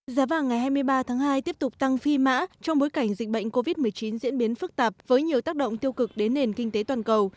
giá vàng ngày hai mươi ba tháng hai tiếp tục tăng phi mã trong bối cảnh dịch bệnh covid một mươi chín diễn biến phức tạp với nhiều tác động tiêu cực đến nền kinh tế toàn cầu